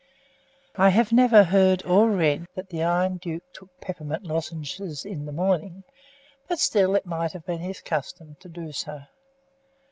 I have never heard or read that the Iron Duke took pepperment lozenges in the morning, but still it might have been his custom to do so.